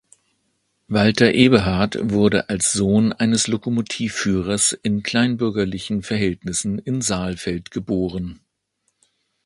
Walter Eberhard wurde als Sohn eines Lokomotivführers in kleinbürgerlichen Verhältnissen in Saalfeld geboren.